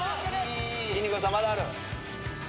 きんに君さんまだある。